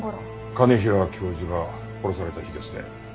兼平教授が殺された日ですね。